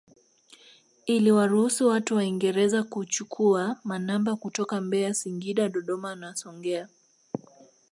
Iliwaruhusu watu waingereza kuichukua manamba kutoka Mbeya Singida Dodoma Songea